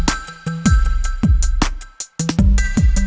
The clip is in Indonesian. gak ada yang nungguin